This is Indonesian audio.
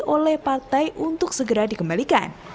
oleh partai untuk segera dikembalikan